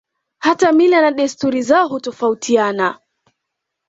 Hata mila na desturi zao hutofautiana